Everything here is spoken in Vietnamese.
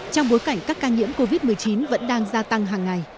trong bối cảnh các ca nhiễm covid một mươi chín vẫn đang gia tăng hàng ngày